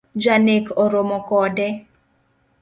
Janek oromo kode